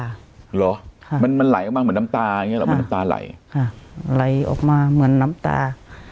เหรอค่ะมันมันไหลออกมาเหมือนน้ำตาอย่างเงี้เหรอเหมือนน้ำตาไหลค่ะไหลออกมาเหมือนน้ำตา